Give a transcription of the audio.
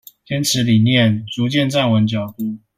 堅持理念，逐漸站穩腳步